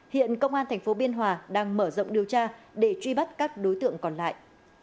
hiện công an tp biên hòa đang mở rộng điều tra để truy bắt các đối tượng còn lại